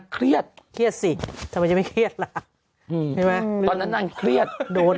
เครียดที่ไหน